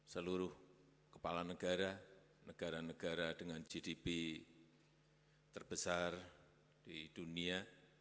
seluruh kepala negara negara dengan gdp terbesar di dunia